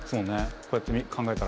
こうやって考えたら。